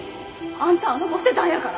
あんたあの子捨てたんやから